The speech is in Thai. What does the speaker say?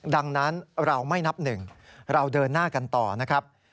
ดังนั้นเราไม่นับหนึ่งเราเดินหน้ากันต่อนะครับ